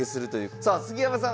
さあ杉山さん